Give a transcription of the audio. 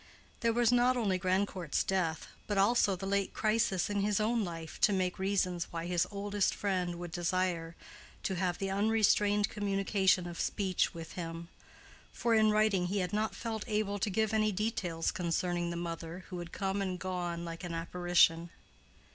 There was not only Grandcourt's death, but also the late crisis in his own life to make reasons why his oldest friend would desire to have the unrestrained communication of speech with him, for in writing he had not felt able to give any details concerning the mother who had come and gone like an apparition.